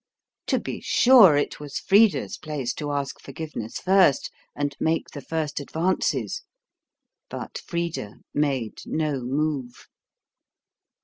To be sure, it was Frida's place to ask forgiveness first, and make the first advances. But Frida made no move.